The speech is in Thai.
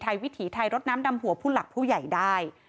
วิถีไทยรดน้ำดำหัวผู้หลักผู้ใหญ่ได้